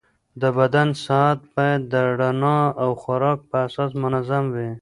د بدن ساعت باید د رڼا او خوراک په اساس منظم وي.